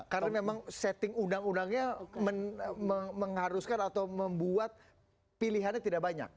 karena memang setting undang undangnya mengharuskan atau membuat pilihannya tidak banyak